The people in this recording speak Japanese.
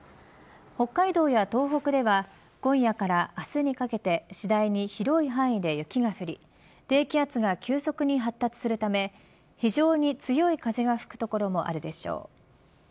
北海道や東北では今夜から明日にかけて次第に広い範囲で雪が降り低気圧が急速に発達するため非常に強い風が吹く所もあるでしょう。